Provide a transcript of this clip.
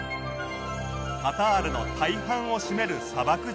カタールの大半を占める砂漠地帯。